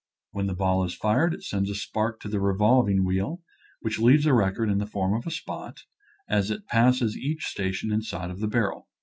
When the ball is fired it sends a spark to the revolving wheel, which leaves a record in the form of a spot, as it passes each station inside of the barrel.